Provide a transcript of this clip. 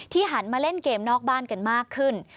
หันมาเล่นเกมนอกบ้านกันมากขึ้น